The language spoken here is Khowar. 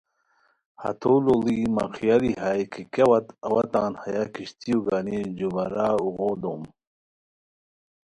ہتو لوڑی مہ خیالی ہائے کی کیہ وت اوا تان ہیہ کشتیو گانی جُو بارہ اوغی دوم